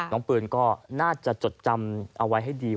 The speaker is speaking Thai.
ปืนก็น่าจะจดจำเอาไว้ให้ดี